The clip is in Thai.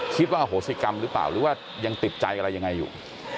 อโหสิกรรมหรือเปล่าหรือว่ายังติดใจอะไรยังไงอยู่